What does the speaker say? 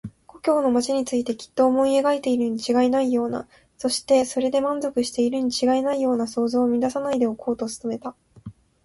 故郷の町についてきっと思い描いているにちがいないような、そしてそれで満足しているにちがいないような想像を乱さないでおこうと努めた。